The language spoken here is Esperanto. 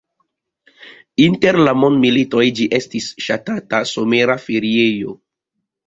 Inter la mondmilitoj ĝi estis ŝatata somera feriejo.